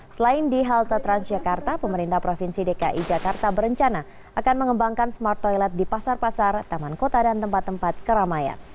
selain di halte transjakarta pemerintah provinsi dki jakarta berencana akan mengembangkan smart toilet di pasar pasar taman kota dan tempat tempat keramaian